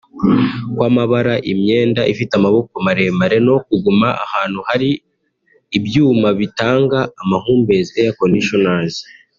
kwamabara imyenda ifite amaboko maremare no kuguma ahantu hari ibyuma bitanga amahumbezi ( air conditioners)